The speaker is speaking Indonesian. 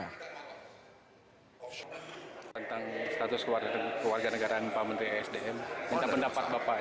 tentang status keluarga negaraan pak menteri sdm minta pendapat bapak